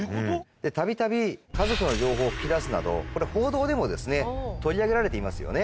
たびたび家族の情報を聞き出すなどこれ報道でも取り上げられていますよね。